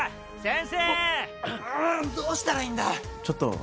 うーんどうしたらいいんだ！